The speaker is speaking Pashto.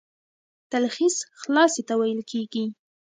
تلخیص خلاصې ته ويل کیږي.